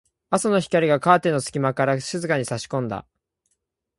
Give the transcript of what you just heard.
朝の光がカーテンの隙間から静かに差し込んだ。